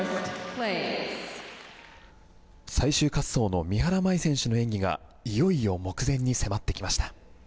最終滑走の三原舞依選手の演技がいよいよ目前に迫ってきました。